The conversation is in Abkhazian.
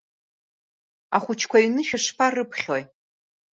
Ахәыҷқәа аҩны шәышԥарыԥхьои?